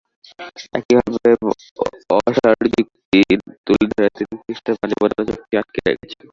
একইভাবে অসার যুক্তি তুলে ধরে তিনি তিস্তার পানিবণ্টন চুক্তিও আটকে রেখেছেন।